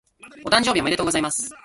お誕生日おめでとうございます。